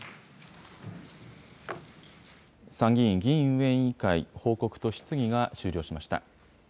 参議院議院運営委員会、報告と質疑が終了しました。